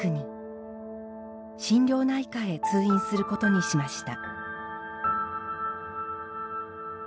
心療内科へ通院することにしました。